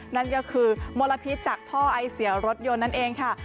นั่นก็คือมลพิษจากท่อไอเสียรถยนต์นั่นเองค่ะ